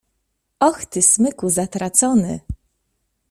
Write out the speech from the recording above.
"Och ty, smyku zatracony!"